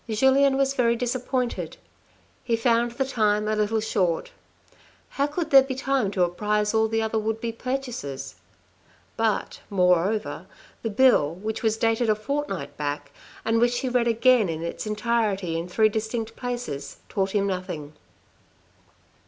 Julien was very disappointed. He found the time a little short. How could there be time to apprise all the other would be purchasers. But, moreover, the bill, which was dated a fortnight back, and which he read again in its entirety in three distinct places, taught him nothing.